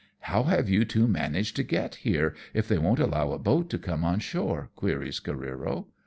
''How have you two managed to get here if they won't allow a boat to come on shore?" queries Careero.